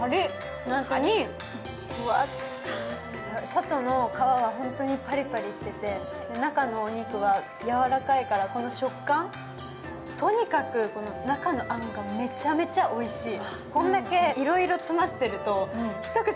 外の皮は本当にパリパリしてて、中のお肉はやわらかいからこの食感、とにかく、中のあんがめちゃめちゃおいしい。